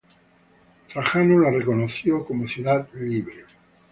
Trajano la reconoció como ciudad libre.